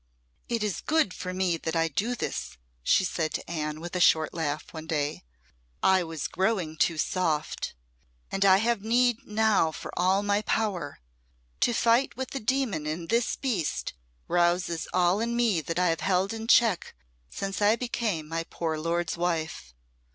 "It is good for me that I do this," she said to Anne, with a short laugh, one day. "I was growing too soft and I have need now for all my power. To fight with the demon in this beast, rouses all in me that I have held in check since I became my poor lord's wife.